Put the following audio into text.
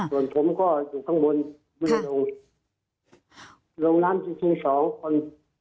ส่วนผมก็อยู่ข้างบนไม่ได้ลงลงน้ำจริงจริงสองคน